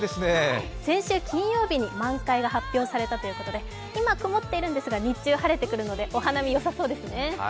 先週金曜日に満開が発表されたということで、今曇っているんですが、日中は晴れてくるのでお花見よさそうですね。